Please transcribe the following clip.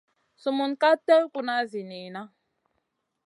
Sumun ka tèw kuna zi niyna.